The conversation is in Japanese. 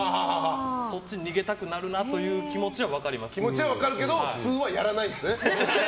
そっちに逃げたくなるなという気持ちは気持ちは分かるけど普通はやらないですね。